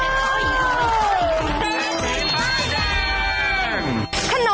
แดงสีพาดแดง